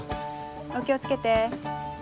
お気を付けて。